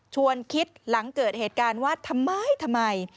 ชวนคิดหลังเกิดเหตุการณ์ว่าทำไมทำไม